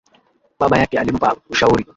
Baba yake alimpa ushauri.